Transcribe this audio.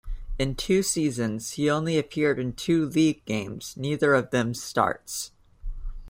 In two seasons, he only appeared in two league games, neither of them starts.